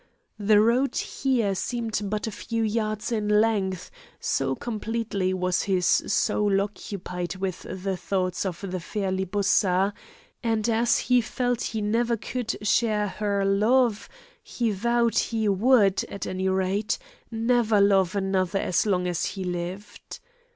The road here seemed but a few yards in length, so completely was his soul occupied with the thoughts of the fair Libussa, and as he felt he never could share her love, he vowed he would, at any rate, never love another as long as he lived.